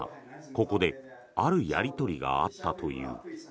ここであるやり取りがあったという。